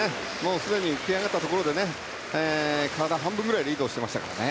すでに浮き上がったところで体半分ぐらいリードしてましたからね。